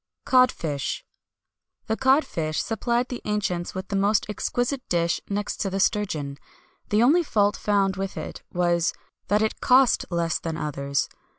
[XXI 154] COD FISH. The cod fish supplied the ancients with the most exquisite dish next to the sturgeon.[XXI 155] The only fault found with it was, that it cost less than others.